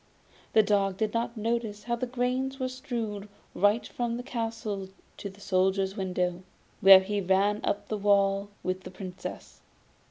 The dog did not notice how the grains were strewn right from the castle to the Soldier's window, where he ran up the wall with the Princess.